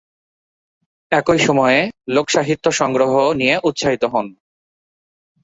একই সময়ে লোকসাহিত্য সংগ্রহ নিয়ে উৎসাহিত হন।